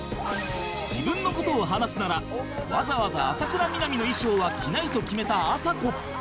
自分の事を話すならわざわざ浅倉南の衣装は着ないと決めたあさこ